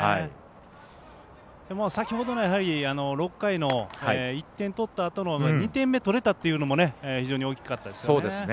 先ほどの６回の１点取ったあとの２点目取れたというのも非常に大きかったですね。